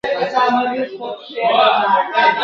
خلکو به د هغې د قبر درناوی کاوه.